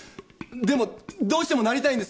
でもどうしてもなりたいんです